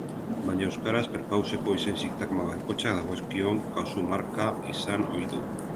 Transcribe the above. Baina euskaraz perpauseko izen-sintagma bakoitzak dagokion kasu-marka izan ohi du.